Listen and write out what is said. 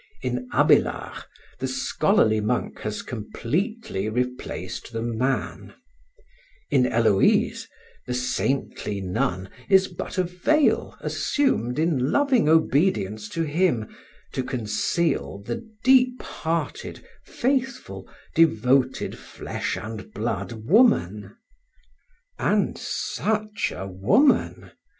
In Abélard, the scholarly monk has completely replaced the man; in Héloïse, the saintly nun is but a veil assumed in loving obedience to him, to conceal the deep hearted, faithful, devoted flesh and blood woman. And such a woman!